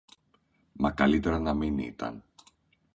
Μα καλύτερα να μην ήταν